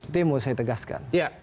itu yang mau saya tegaskan